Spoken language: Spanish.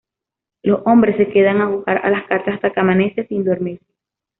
Los hombres se quedan a jugar a las cartas hasta que amanece, sin dormir.